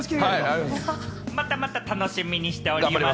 またまた楽しみにしております。